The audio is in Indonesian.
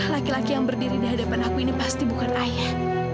laki laki yang berdiri di hadapan aku ini pasti bukan ayah